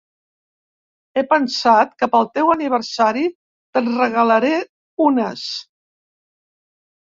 He pensat que pel teu aniversari te'n regalaré unes.